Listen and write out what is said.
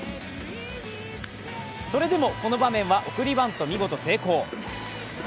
それでも、この場面は送りバント、見事成功。